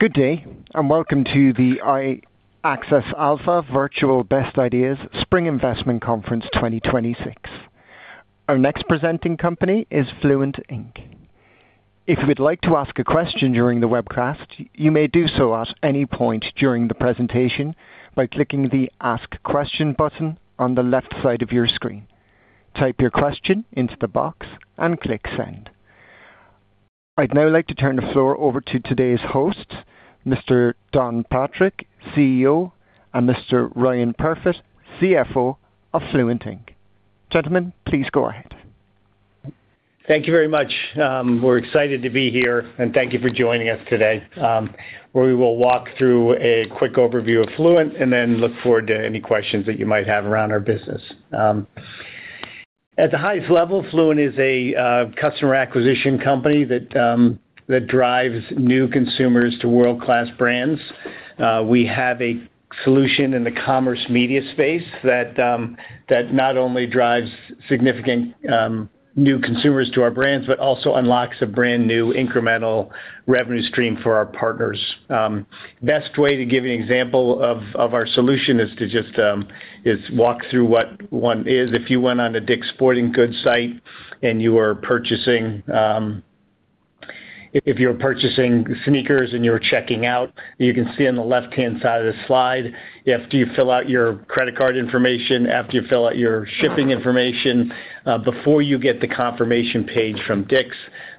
Good day, and welcome to the iAccess Alpha Virtual Best Ideas Spring Investment Conference 2026. Our next presenting company is Fluent, Inc. If you would like to ask a question during the webcast, you may do so at any point during the presentation by clicking the Ask Question button on the left side of your screen. Type your question into the box and click Send. I'd now like to turn the floor over to today's hosts, Mr. Don Patrick, CEO, and Mr. Ryan Perfit, CFO of Fluent, Inc. Gentlemen, please go ahead. Thank you very much. We're excited to be here, and thank you for joining us today, where we will walk through a quick overview of Fluent and then look forward to any questions that you might have around our business. At the highest level, Fluent is a customer acquisition company that drives new consumers to world-class brands. We have a solution in the commerce media space that not only drives significant new consumers to our brands, but also unlocks a brand new incremental revenue stream for our partners. Best way to give you an example of our solution is to just walk through what one is. If you went on a DICK'S Sporting Goods site and you were purchasing, if you're purchasing sneakers and you're checking out, you can see on the left-hand side of the slide, after you fill out your credit card information, after you fill out your shipping information, before you get the confirmation page from DICK'S,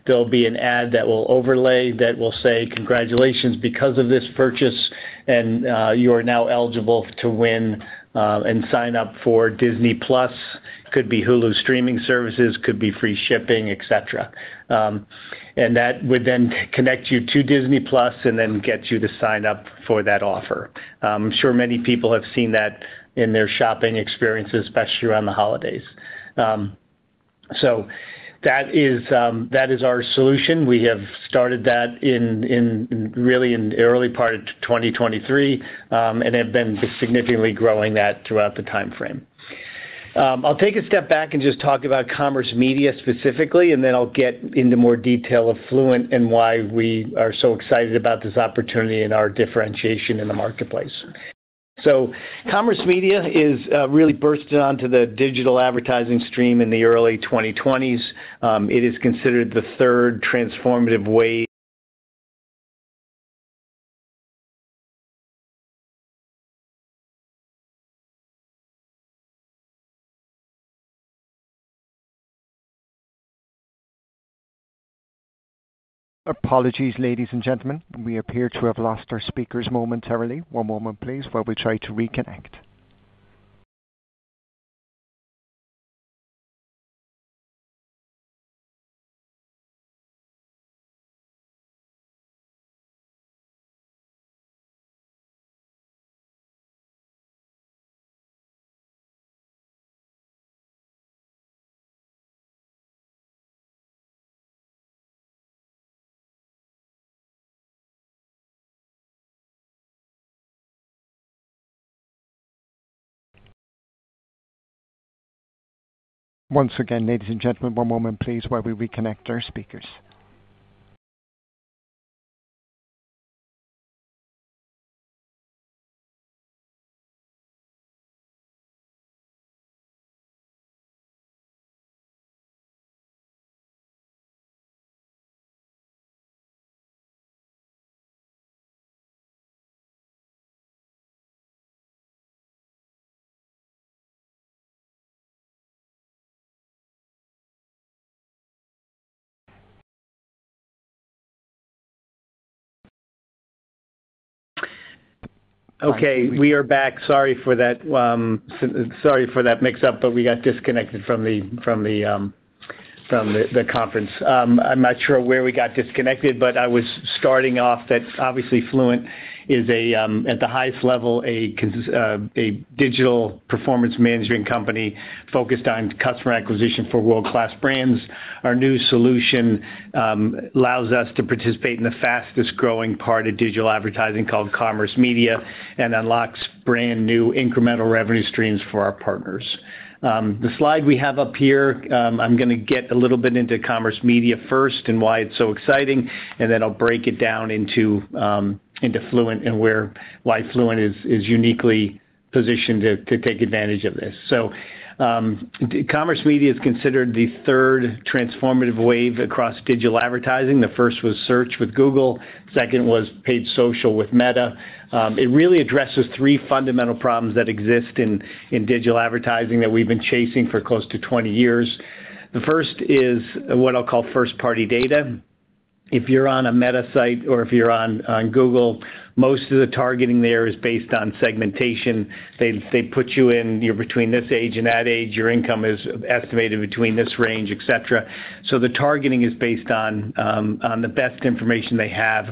there'll be an ad that will overlay that will say, "Congratulations. Because of this purchase, and, you are now eligible to win, and sign up for Disney+." Could be Hulu streaming services, could be free shipping, et cetera. That would then connect you to Disney+ and then get you to sign up for that offer. I'm sure many people have seen that in their shopping experiences, especially around the holidays. That is our solution. We have started that in really in the early part of 2023, and have been significantly growing that throughout the time frame. I'll take a step back and just talk about commerce media specifically, and then I'll get into more detail of Fluent and why we are so excited about this opportunity and our differentiation in the marketplace. Commerce media is really bursting onto the digital advertising stream in the early 2020s. It is considered the third transformative way. Apologies, ladies and gentlemen. We appear to have lost our speakers momentarily. One moment, please, while we try to reconnect. Once again, ladies and gentlemen, one moment, please, while we reconnect our speakers. Okay, we are back. Sorry for that mix up, but we got disconnected from the conference. I'm not sure where we got disconnected, but I was starting off that obviously Fluent is a, at the highest level a digital performance management company focused on customer acquisition for world-class brands. Our new solution allows us to participate in the fastest growing part of digital advertising called commerce media and unlocks brand new incremental revenue streams for our partners. The slide we have up here, I'm gonna get a little bit into commerce media first and why it's so exciting, and then I'll break it down into Fluent and why Fluent is uniquely positioned to take advantage of this. Commerce media is considered the third transformative wave across digital advertising. The first was search with Google. Second was paid social with Meta. It really addresses three fundamental problems that exist in digital advertising that we've been chasing for close to 20 years. The first is what I'll call first-party data. If you're on a Meta site or if you're on Google, most of the targeting there is based on segmentation. They put you in, you're between this age and that age. Your income is estimated between this range, et cetera. The targeting is based on the best information they have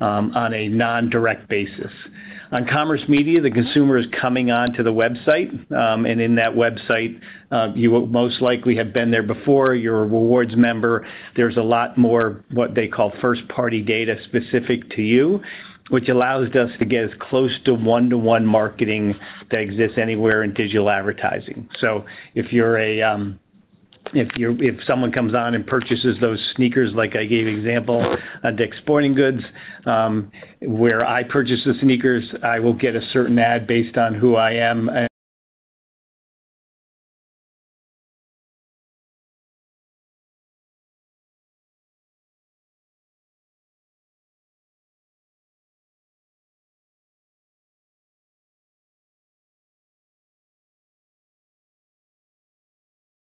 on a non-direct basis. On commerce media, the consumer is coming onto the website and in that website you will most likely have been there before. You're a rewards member. There's a lot more what they call first-party data specific to you, which allows us to get as close to one-to-one marketing that exists anywhere in digital advertising. If someone comes on and purchases those sneakers like I gave example at DICK'S Sporting Goods, where I purchase the sneakers, I will get a certain ad based on who I am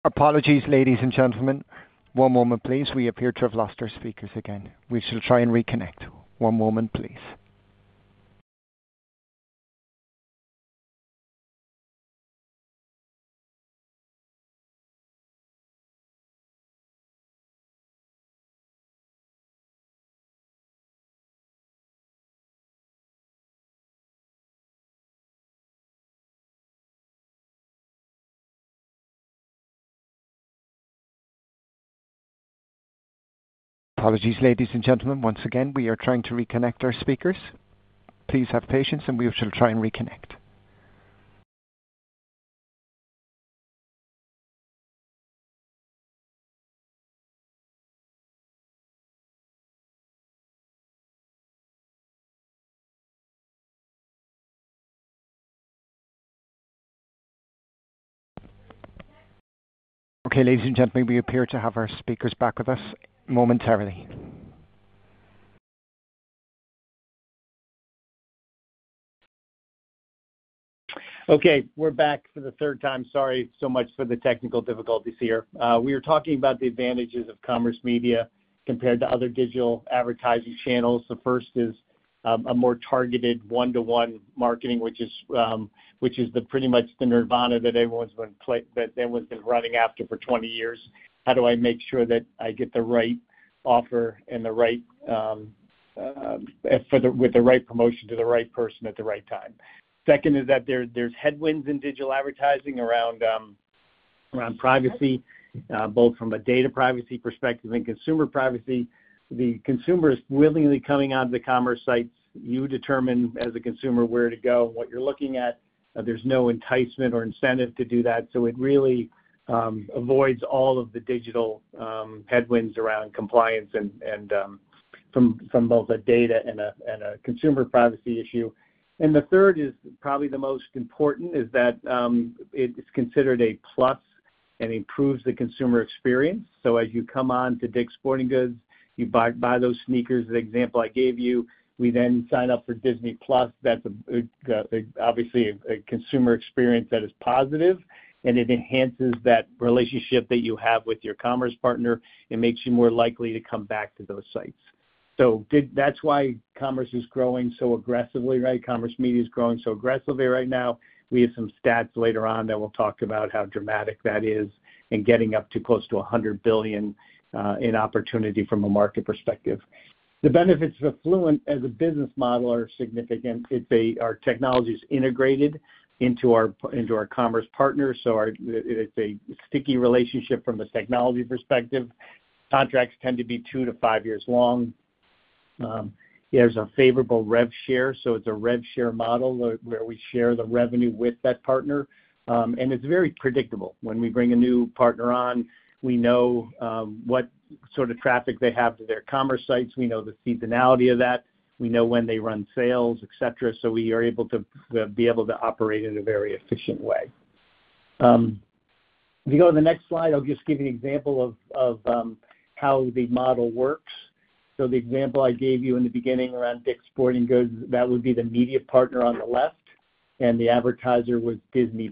and- Apologies, ladies and gentlemen. One moment please. We appear to have lost our speakers again. We shall try and reconnect. One moment please. Apologies, ladies and gentlemen. Once again, we are trying to reconnect our speakers. Please have patience, and we shall try and reconnect. Okay. Ladies and gentlemen, we appear to have our speakers back with us momentarily. Okay, we're back for the third time. Sorry so much for the technical difficulties here. We are talking about the advantages of commerce media compared to other digital advertising channels. The first is a more targeted one-to-one marketing, which is pretty much the nirvana that everyone's been running after for 20 years. How do I make sure that I get the right offer and the right with the right promotion to the right person at the right time? Second is that there's headwinds in digital advertising around privacy, both from a data privacy perspective and consumer privacy. The consumer is willingly coming onto the commerce sites. You determine, as a consumer, where to go and what you're looking at. There's no enticement or incentive to do that, so it really avoids all of the digital headwinds around compliance and from both a data and a consumer privacy issue. The third is probably the most important, that it's considered a plus and improves the consumer experience. As you come on to DICK'S Sporting Goods, you buy those sneakers, the example I gave you, we then sign up for Disney+. That's obviously a consumer experience that is positive, and it enhances that relationship that you have with your commerce partner and makes you more likely to come back to those sites. That's why commerce is growing so aggressively, right? Commerce media is growing so aggressively right now. We have some stats later on that will talk about how dramatic that is in getting up to close to $100 billion in opportunity from a market perspective. The benefits of Fluent as a business model are significant. Our technology's integrated into our commerce partners, so it's a sticky relationship from a technology perspective. Contracts tend to be two-five years long. There's a favorable rev share, so it's a rev share model where we share the revenue with that partner. It's very predictable. When we bring a new partner on, we know what sort of traffic they have to their commerce sites. We know the seasonality of that. We know when they run sales, et cetera. We are able to operate in a very efficient way. If you go to the next slide, I'll just give you an example of how the model works. The example I gave you in the beginning around DICK'S Sporting Goods, that would be the media partner on the left, and the advertiser was Disney+.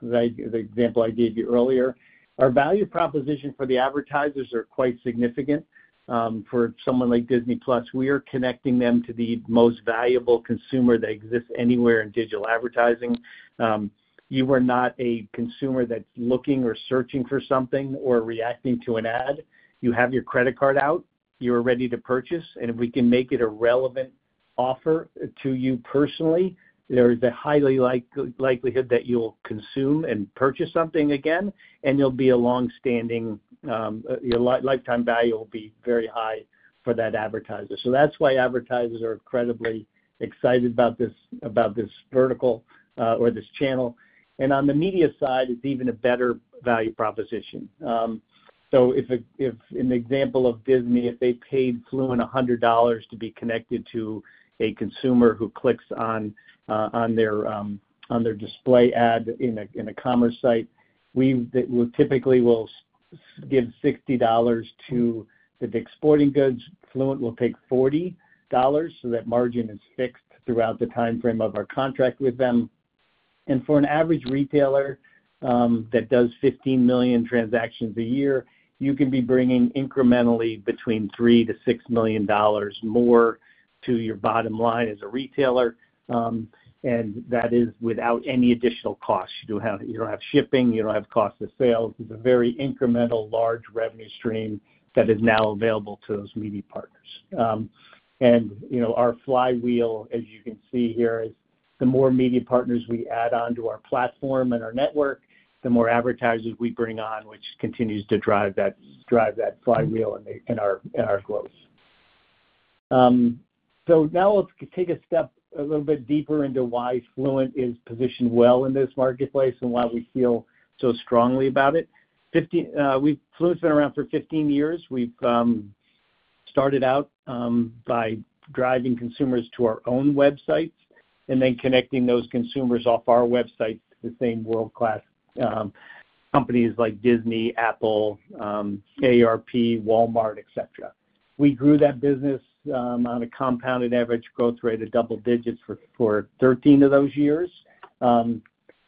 The example I gave you earlier. Our value proposition for the advertisers are quite significant. For someone like Disney+, we are connecting them to the most valuable consumer that exists anywhere in digital advertising. You are not a consumer that's looking or searching for something or reacting to an ad. You have your credit card out, you are ready to purchase, and if we can make it a relevant offer to you personally, there is a highly likelihood that you'll consume and purchase something again, and you'll be a long-standing, your lifetime value will be very high for that advertiser. That's why advertisers are incredibly excited about this, about this vertical, or this channel. On the media side is even a better value proposition. If an example of Disney, if they paid Fluent $100 to be connected to a consumer who clicks on their, on their display ad in a, in a commerce site, we typically will give $60 to the DICK'S Sporting Goods. Fluent will take $40, so that margin is fixed throughout the timeframe of our contract with them. For an average retailer that does 15 million transactions a year, you can be bringing incrementally between $3 million-$6 million more to your bottom line as a retailer, and that is without any additional cost. You don't have shipping, you don't have cost of sales. It's a very incremental large revenue stream that is now available to those media partners. You know, our flywheel, as you can see here, is the more media partners we add onto our platform and our network, the more advertisers we bring on, which continues to drive that flywheel in our growth. Now let's take a step a little bit deeper into why Fluent is positioned well in this marketplace and why we feel so strongly about it. Fluent's been around for 15 years. We've started out by driving consumers to our own websites and then connecting those consumers off our website to the same world-class companies like Disney, Apple, AARP, Walmart, et cetera. We grew that business on a compounded average growth rate of double digits for 13 of those years,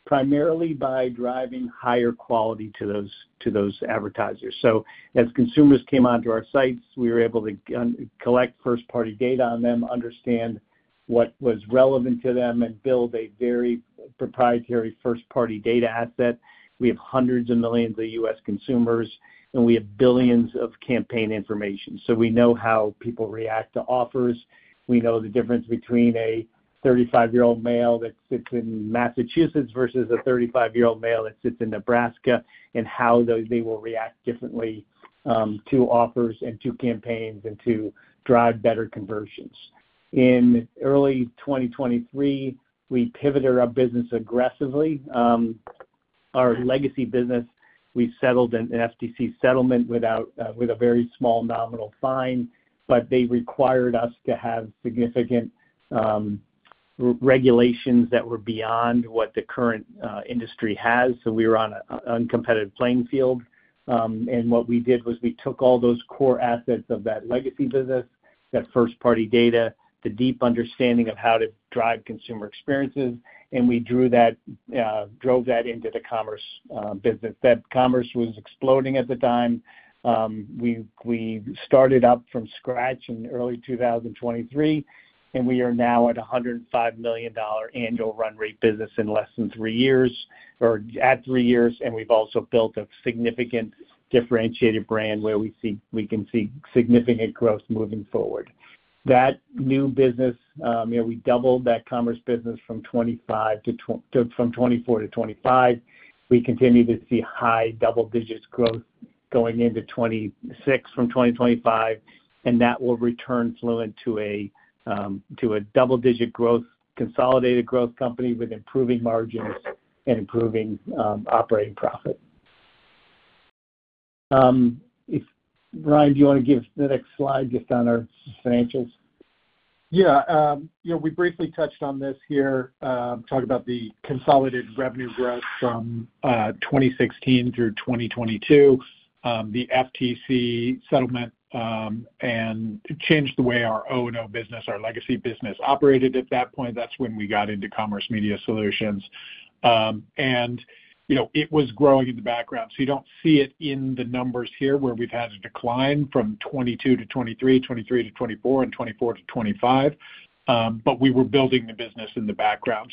primarily by driving higher quality to those advertisers. As consumers came onto our sites, we were able to collect first-party data on them, understand what was relevant to them, and build a very proprietary first-party data asset. We have hundreds of millions of U.S. consumers, and we have billions of campaign information, so we know how people react to offers. We know the difference between a 35-year-old male that sits in Massachusetts versus a 35-year-old male that sits in Nebraska and how those. They will react differently to offers and to campaigns and to drive better conversions. In early 2023, we pivoted our business aggressively. Our legacy business, we settled in an FTC settlement with a very small nominal fine, but they required us to have significant regulations that were beyond what the current industry has, so we were on an uncompetitive playing field. What we did was we took all those core assets of that legacy business, that first-party data, the deep understanding of how to drive consumer experiences, and we drove that into the commerce business. That commerce was exploding at the time. We started up from scratch in early 2023, and we are now at a $105 million annual run rate business in less than three years or at three years. We've also built a significant differentiated brand where we can see significant growth moving forward. That new business, you know, we doubled that commerce business from 2024-2025. We continue to see high double-digit growth going into 2026 from 2025, and that will return Fluent to a double-digit growth, consolidated growth company with improving margins and improving operating profit. Ryan, do you wanna give the next slide just on our financials? Yeah. You know, we briefly touched on this here, talk about the consolidated revenue growth from 2016 through 2022. The FTC settlement, and it changed the way our O&O business, our legacy business, operated at that point. That's when we got into Commerce Media Solutions. You know, it was growing in the background, so you don't see it in the numbers here where we've had a decline from 2022-2023, 2023-2024, and 2024-2025. But we were building the business in the background.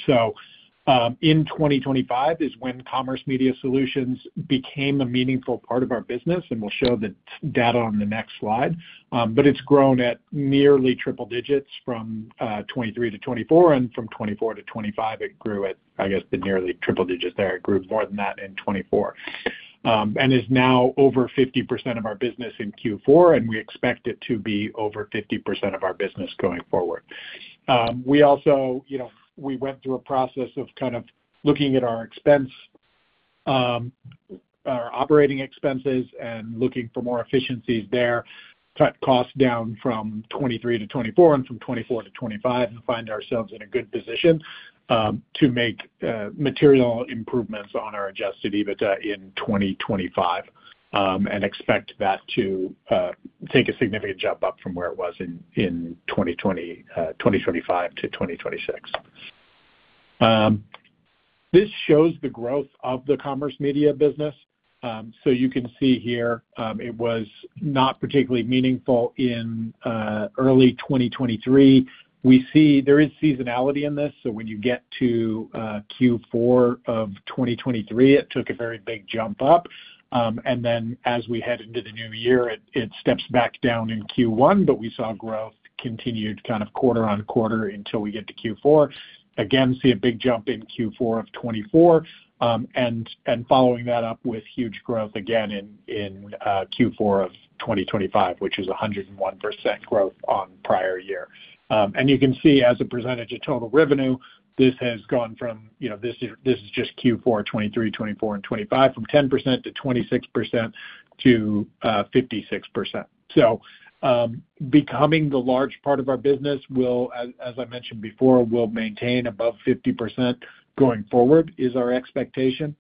In 2025 is when Commerce Media Solutions became a meaningful part of our business, and we'll show the data on the next slide. It's grown at nearly triple digits from 2023-2024, and from 2024-2025, it grew at, I guess, nearly triple digits there. It grew more than that in 2024. Is now over 50% of our business in Q4, and we expect it to be over 50% of our business going forward. We also, you know, went through a process of kind of looking at our expense, our operating expenses and looking for more efficiencies there. Cut costs down from 2023-2024 and from 2024-2025 and find ourselves in a good position to make material improvements on our Adjusted EBITDA in 2025, and expect that to take a significant jump up from where it was in 2025-2026. This shows the growth of the Commerce Media business. You can see here, it was not particularly meaningful in early 2023. We see there is seasonality in this, so when you get to Q4 of 2023, it took a very big jump up. As we head into the new year, it steps back down in Q1, but we saw growth continued kind of quarter-on-quarter until we get to Q4. Again, see a big jump in Q4 of 2024, and following that up with huge growth again in Q4 of 2025, which is 101% growth on prior year. You can see as a percentage of total revenue, this has gone from, you know, this is just Q4 2023, 2024, and 2025, from 10% to 26% to 56%. Becoming the large part of our business, as I mentioned before, will maintain above 50% going forward is our expectation.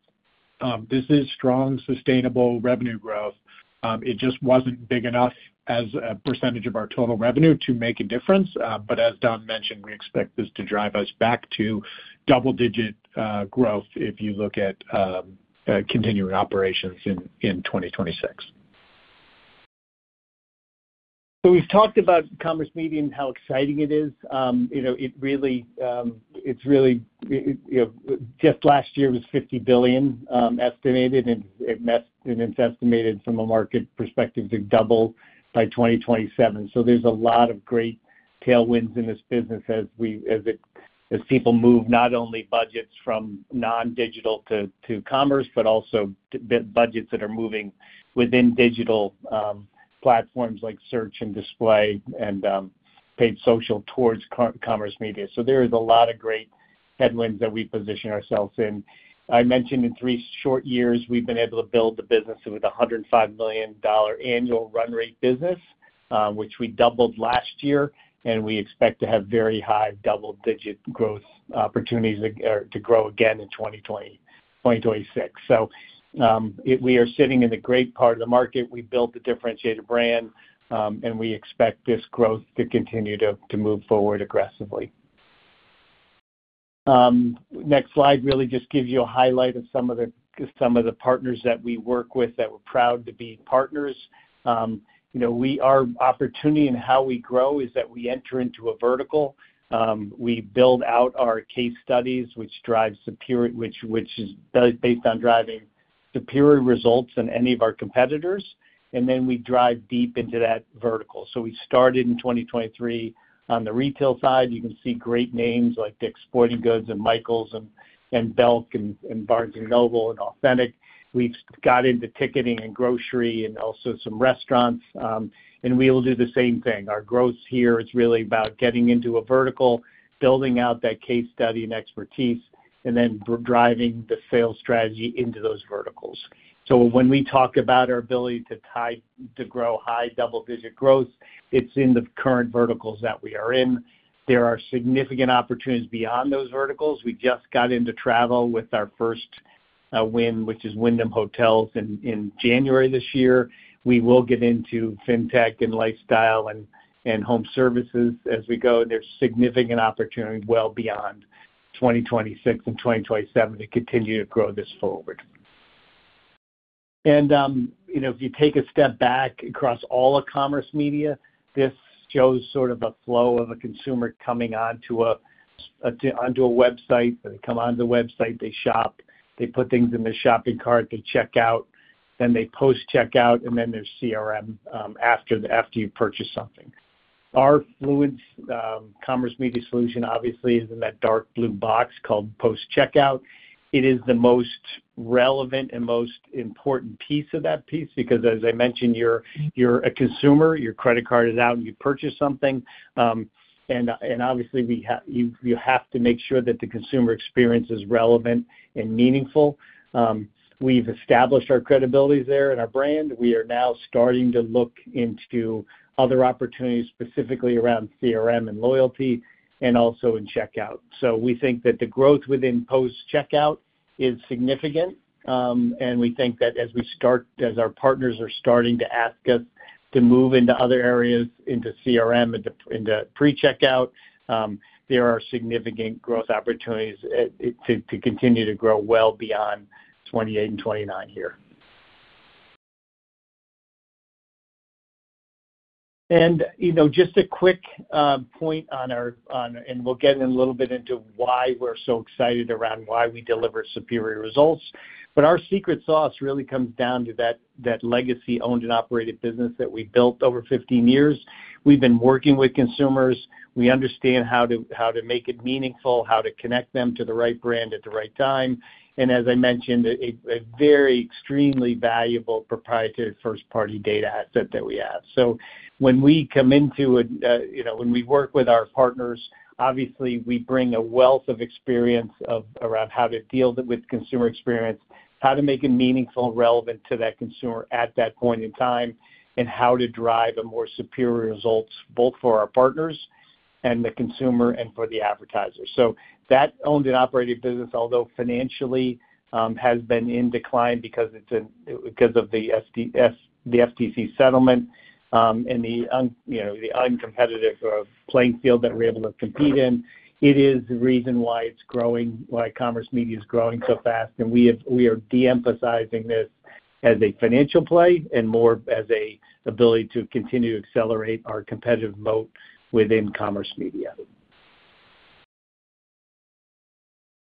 This is strong, sustainable revenue growth. It just wasn't big enough as a percentage of our total revenue to make a difference. As Don mentioned, we expect this to drive us back to double-digit growth if you look at continuing operations in 2026. We've talked about commerce media and how exciting it is. You know, it's really just last year was $50 billion estimated, and it's estimated from a market perspective to double by 2027. There's a lot of great tailwinds in this business as people move not only budgets from non-digital to commerce, but also digital budgets that are moving within digital platforms like search and display and paid social towards commerce media. There's a lot of great tailwinds that we position ourselves in. I mentioned in three short years, we've been able to build the business with a $105 million annual run rate business, which we doubled last year, and we expect to have very high double-digit growth opportunities, to grow again in 2026. We are sitting in a great part of the market. We built a differentiated brand, and we expect this growth to continue to move forward aggressively. Next slide really just gives you a highlight of some of the partners that we work with that we're proud to be partners. You know, we are. Opportunity in how we grow is that we enter into a vertical, we build out our case studies, which is based on driving superior results than any of our competitors, and then we drive deep into that vertical. We started in 2023 on the retail side. You can see great names like DICK'S Sporting Goods and Michaels and Belk and Barnes & Noble and Authentic. We've got into ticketing and grocery and also some restaurants, and we will do the same thing. Our growth here is really about getting into a vertical, building out that case study and expertise, and then driving the sales strategy into those verticals. When we talk about our ability to grow high double-digit growth, it's in the current verticals that we are in. There are significant opportunities beyond those verticals. We just got into travel with our first win, which is Wyndham Hotels in January this year. We will get into fintech and lifestyle and home services as we go. There's significant opportunity well beyond 2026 and 2027 to continue to grow this forward. You know, if you take a step back across all of commerce media, this shows sort of a flow of a consumer coming onto a website. They come onto the website, they shop, they put things in the shopping cart, they check out, then they post-checkout, and then there's CRM after you purchase something. Our Fluent's commerce media solution obviously is in that dark blue box called post-checkout. It is the most relevant and most important piece of that piece because, as I mentioned, you're a consumer, your credit card is out, and you purchase something. Obviously you have to make sure that the consumer experience is relevant and meaningful. We've established our credibility there and our brand. We are now starting to look into other opportunities, specifically around CRM and loyalty and also in checkout. We think that the growth within post-checkout is significant, and we think that as our partners are starting to ask us to move into other areas, into CRM, into pre-checkout, there are significant growth opportunities to continue to grow well beyond 2028 and 2029 here. You know, just a quick point on our on. We'll get in a little bit into why we're so excited around why we deliver superior results. Our secret sauce really comes down to that legacy owned and operated business that we built over 15 years. We've been working with consumers. We understand how to make it meaningful, how to connect them to the right brand at the right time, and as I mentioned, a very extremely valuable proprietary first-party data asset that we have. When we come into a you know, when we work with our partners, obviously we bring a wealth of experience around how to deal with consumer experience, how to make it meaningful and relevant to that consumer at that point in time, and how to drive a more superior results, both for our partners and the consumer and for the advertiser. That Owned and Operated business, although financially has been in decline because of the FTC settlement and you know the uncompetitive playing field that we're able to compete in, it is the reason why it's growing, why commerce media is growing so fast. We are de-emphasizing this as a financial play and more as an ability to continue to accelerate our competitive moat within commerce media.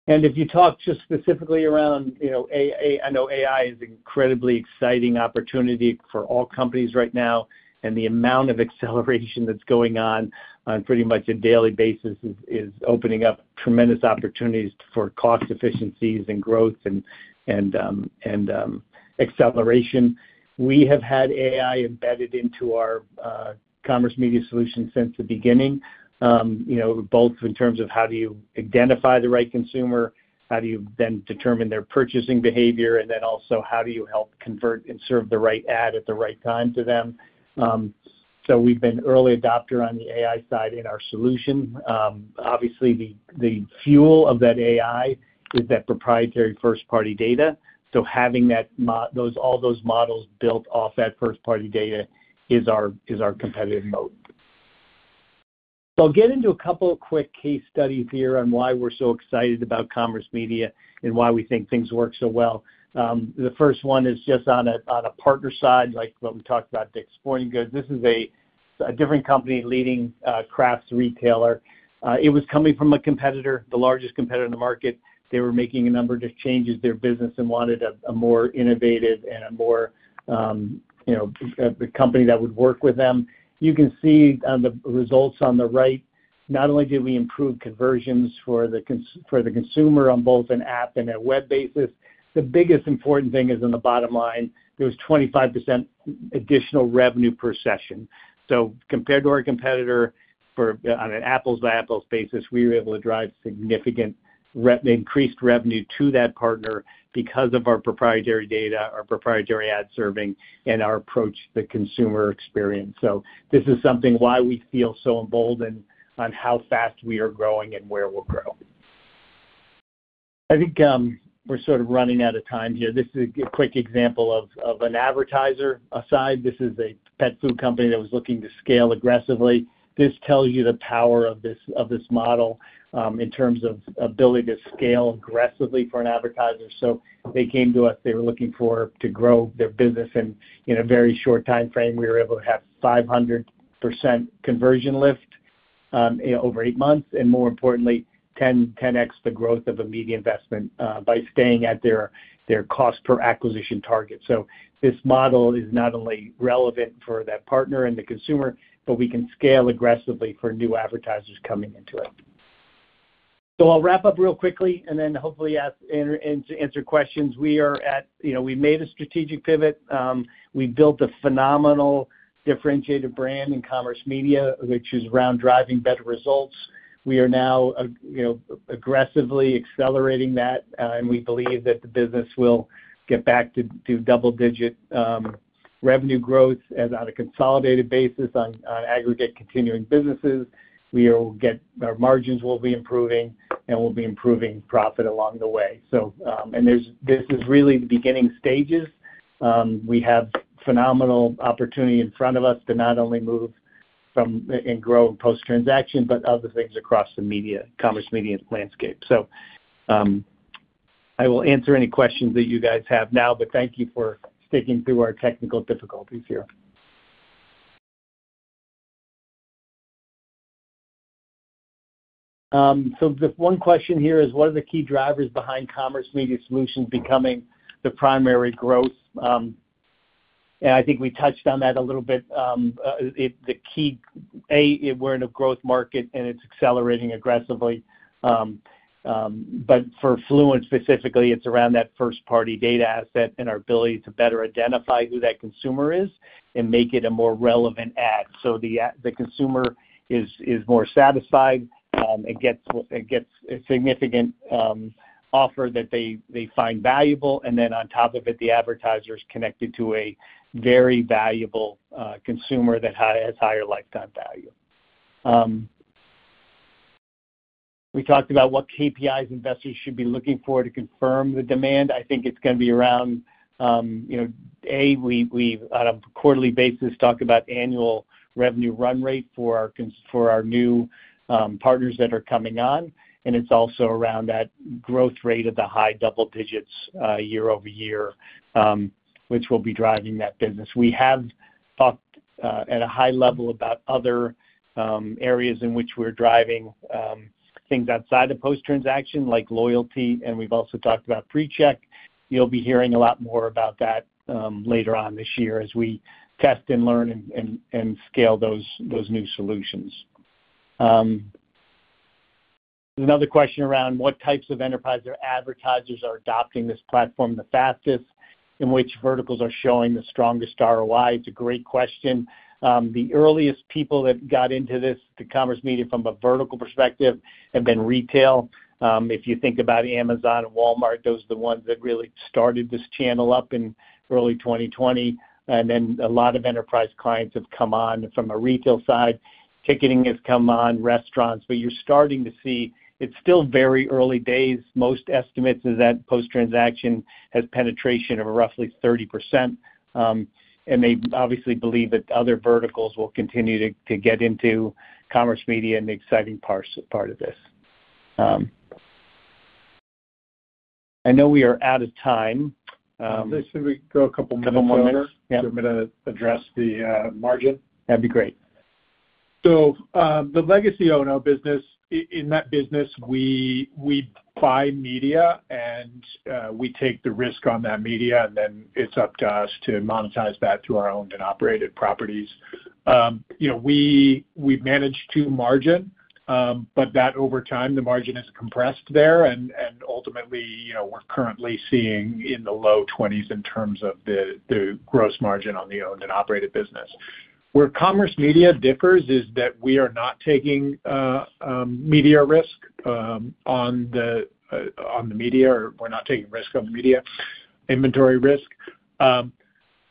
If you talk just specifically around, you know, AI. I know AI is an incredibly exciting opportunity for all companies right now, and the amount of acceleration that's going on pretty much a daily basis is opening up tremendous opportunities for cost efficiencies and growth and acceleration. We have had AI embedded into our commerce media solution since the beginning, you know, both in terms of how do you identify the right consumer, how do you then determine their purchasing behavior, and then also how do you help convert and serve the right ad at the right time to them. We've been early adopter on the AI side in our solution. Obviously, the fuel of that AI is that proprietary first-party data. Having those, all those models built off that first-party data is our competitive moat. I'll get into a couple of quick case studies here on why we're so excited about commerce media and why we think things work so well. The first one is just on a partner side, like what we talked about DICK'S Sporting Goods. This is a different company, leading crafts retailer. It was coming from a competitor, the largest competitor in the market. They were making a number of changes to their business and wanted a more innovative and a more, you know, a company that would work with them. You can see the results on the right. Not only did we improve conversions for the consumer on both an app and a web basis, the biggest important thing is on the bottom line, there was 25% additional revenue per session. Compared to our competitor on an apples-to-apples basis, we were able to drive significant increased revenue to that partner because of our proprietary data, our proprietary ad serving, and our approach to consumer experience. This is something why we feel so emboldened on how fast we are growing and where we'll grow. I think, we're sort of running out of time here. This is a quick example of an advertiser aside. This is a pet food company that was looking to scale aggressively. This tells you the power of this model in terms of ability to scale aggressively for an advertiser. They came to us, they were looking for to grow their business. In a very short time frame, we were able to have 500% conversion lift over eight months, and more importantly, 10x the growth of a media investment by staying at their cost per acquisition target. This model is not only relevant for that partner and the consumer, but we can scale aggressively for new advertisers coming into it. I'll wrap up real quickly and then hopefully to answer questions. We made a strategic pivot. We built a phenomenal differentiated brand in commerce media, which is around driving better results. We are now aggressively accelerating that, and we believe that the business will get back to double-digit revenue growth and on a consolidated basis on aggregate continuing businesses. Our margins will be improving, and we'll be improving profit along the way. This is really the beginning stages. We have phenomenal opportunity in front of us to not only move from and grow post-transaction, but other things across the media, commerce media landscape. I will answer any questions that you guys have now, but thank you for sticking through our technical difficulties here. The one question here is what are the key drivers behind Commerce Media Solutions becoming the primary growth? I think we touched on that a little bit. The key, we're in a growth market, and it's accelerating aggressively. But for Fluent specifically, it's around that first-party data asset and our ability to better identify who that consumer is and make it a more relevant ad. The consumer is more satisfied and gets a significant offer that they find valuable. On top of it, the advertiser's connected to a very valuable consumer that has higher lifetime value. We talked about what KPIs investors should be looking for to confirm the demand. I think it's gonna be around, you know, we on a quarterly basis talk about annual revenue run rate for our new partners that are coming on. It's also around that growth rate of the high double digits year-over-year, which will be driving that business. We have talked at a high level about other areas in which we're driving things outside of post-transaction, like loyalty, and we've also talked about pre-check. You'll be hearing a lot more about that later on this year as we test and learn and scale those new solutions. There's another question around what types of enterprise or advertisers are adopting this platform the fastest, in which verticals are showing the strongest ROI. It's a great question. The earliest people that got into this, to commerce media from a vertical perspective, have been retail. If you think about Amazon and Walmart, those are the ones that really started this channel up in early 2020. Then a lot of enterprise clients have come on from a retail side. Ticketing has come on, restaurants, but you're starting to see it's still very early days. Most estimates is that post-transaction has penetration of roughly 30%. They obviously believe that other verticals will continue to get into commerce media and the exciting part of this. I know we are out of time. Should we go a couple more minutes? Couple more minutes. Yep. I'm gonna address the margin. That'd be great. The legacy O&O business, in that business, we buy media and we take the risk on that media, and then it's up to us to monetize that through our owned and operated properties. You know, we've managed the margin, but that over time, the margin is compressed there. Ultimately, you know, we're currently seeing in the low 20s in terms of the gross margin on the owned and operated business. Where commerce media differs is that we are not taking media risk on the media, or we're not taking risk on the media inventory risk.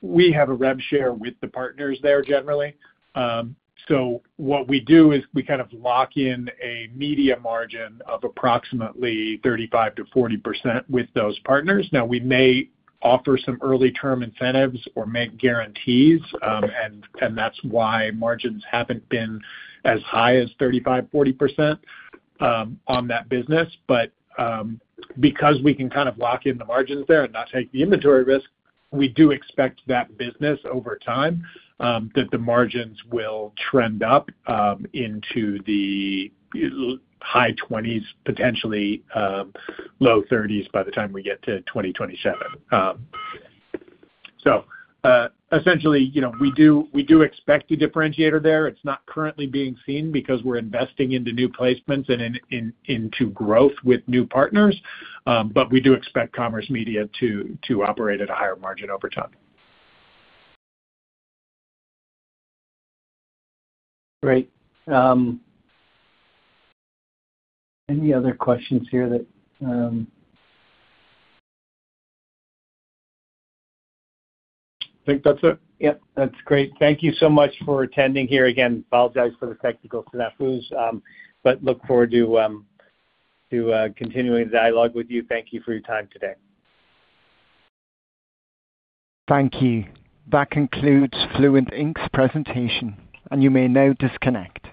We have a rev share with the partners there generally. What we do is we kind of lock in a media margin of approximately 35%-40% with those partners. Now, we may offer some early-term incentives or make guarantees, and that's why margins haven't been as high as 35%-40% on that business. Because we can kind of lock in the margins there and not take the inventory risk, we do expect that business over time, that the margins will trend up into the high 20s, potentially low 30s by the time we get to 2027. Essentially, you know, we do expect a differentiator there. It's not currently being seen because we're investing into new placements and into growth with new partners. We do expect commerce media to operate at a higher margin over time. Great. Any other questions here that... I think that's it. Yep. That's great. Thank you so much for attending here. Again, apologize for the technical snafus, but look forward to continuing the dialogue with you. Thank you for your time today. Thank you. That concludes Fluent, Inc's presentation, and you may now disconnect.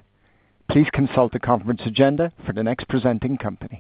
Please consult the conference agenda for the next presenting company.